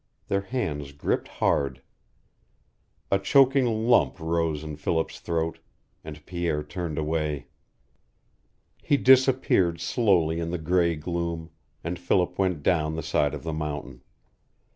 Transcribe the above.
Their hands gripped hard. A choking lump rose in Philip's throat, and Pierre turned away. He disappeared slowly in the gray gloom, and Philip went down the side of the mountain.